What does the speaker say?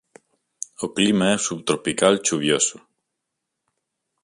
O clima é subtropical chuvioso.